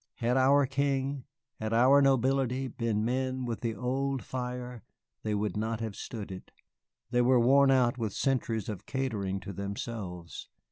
Had our King, had our nobility, been men with the old fire, they would not have stood it. They were worn out with centuries of catering to themselves.